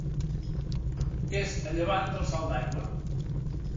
És a llevant del Salt d'Aigua.